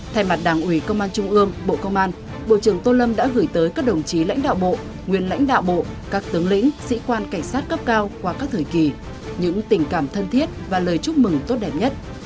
thay mặt đảng ủy công an trung ương bộ công an bộ trưởng tô lâm đã gửi tới các đồng chí lãnh đạo bộ nguyên lãnh đạo bộ các tướng lĩnh sĩ quan cảnh sát cấp cao qua các thời kỳ những tình cảm thân thiết và lời chúc mừng tốt đẹp nhất